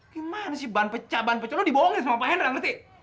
gimana sih ban pecah ban pecah lo dibohongin sama pak hendra nanti